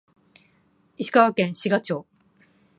石川県志賀町